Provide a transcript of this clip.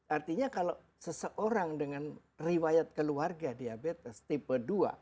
artinya kalau seseorang dengan riwayat keluarga diabetes tipe dua